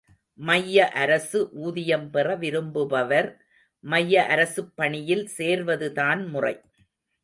மைய அரசு ஊதியம் பெற விரும்புபவர் மைய அரசுப் பணியில் சேர்வதுதான் முறை.